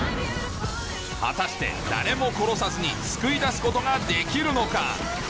果たして誰も殺さずに救い出すことができるのか？